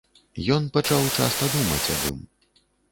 Ён пачаў часта думаць аб ім.